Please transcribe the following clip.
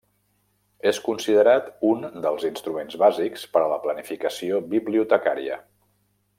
És considerat un dels instruments bàsics per a la planificació bibliotecària.